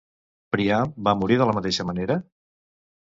Príam va morir de la mateixa manera?